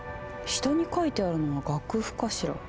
下に書いてあるのは楽譜かしら？